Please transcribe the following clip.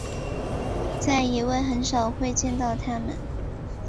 在野外很少会见到它们。